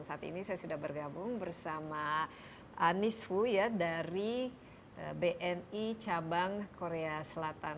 saat ini saya sudah bergabung bersama anies vu ya dari bni cabang korea selatan